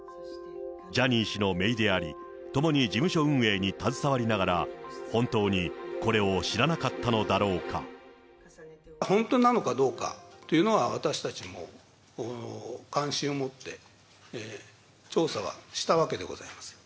ジャニー氏のめいであり、ともに事務所運営に携わりながら、本当にこれを知らなかったのだろ本当なのかどうかというのは、私たちも関心を持って調査はしたわけでございます。